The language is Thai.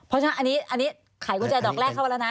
เพราะฉะนั้นอันนี้ขายกุญแจดอกแรกเข้าไปแล้วนะ